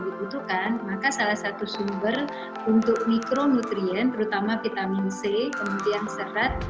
dibutuhkan maka salah satu sumber untuk mikronutrien terutama vitamin c kemudian serat